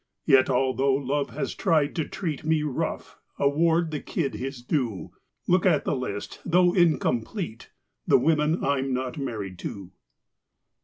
Yet although Love has tried to treat Me rough, award the kid his due. Look at the list, though incomplete: The women I'm not married to.